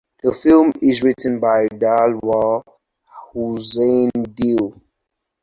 The film is written by Delwar Hossain Dil.